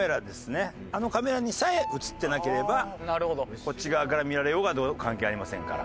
あのカメラにさえ映ってなければこっち側から見られようが関係ありませんから。